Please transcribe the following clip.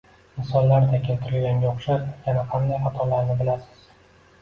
Misollarda keltirilganga oʻxshash yana qanday xatolarni bilasiz